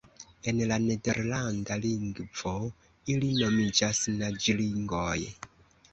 En la nederlanda lingvo ili nomiĝas naĝringoj.